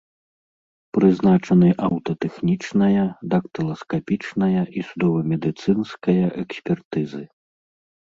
Прызначаны аўтатэхнічная, дактыласкапічная і судова-медыцынская экспертызы.